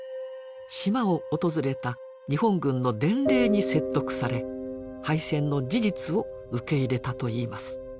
島を訪れた日本軍の伝令に説得され敗戦の事実を受け入れたといいます。